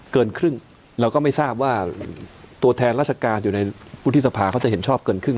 ที่ทราบว่าตัวแทนราชการอยู่ในหุ้นที่สภาเขาจะเห็นชอบเกินครึ่ง